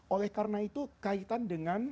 oleh karena itu kaitan dengan